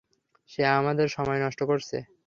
সে আমাদের সময় নষ্ট করছে।